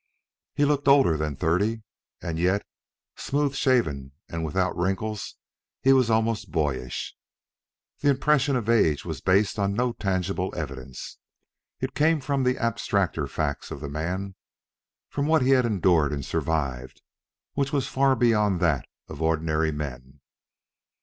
He looked older than thirty, and yet, smooth shaven and without wrinkles, he was almost boyish. This impression of age was based on no tangible evidence. It came from the abstracter facts of the man, from what he had endured and survived, which was far beyond that of ordinary men.